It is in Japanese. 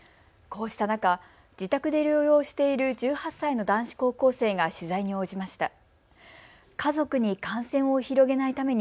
こうした中、自宅で療養している１８歳の男子高校生が取材に応じました。